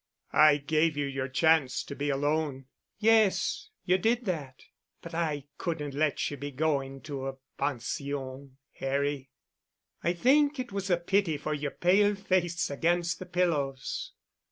"I gave you your chance to be alone——" "Yes. You did that. But I couldn't let you be going to a pension, Harry. I think it was the pity for your pale face against the pillows."